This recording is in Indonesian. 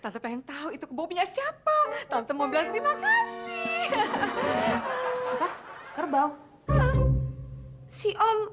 tapi pengen tahu itu kebaunya siapa tante mau bilang terima kasih kerbau si om